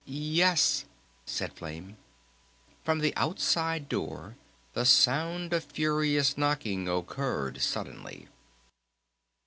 "Yes," said Flame. From the outside door the sound of furious knocking occurred suddenly.